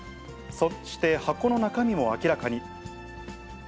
そして、箱の中身も明らかに。